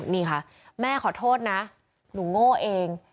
นี่ค่ะแม่ขอโทษนะหนูโง่เอง